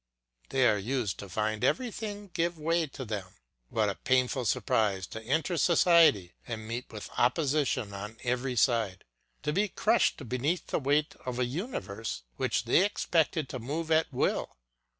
They are used to find everything give way to them; what a painful surprise to enter society and meet with opposition on every side, to be crushed beneath the weight of a universe which they expected to move at will.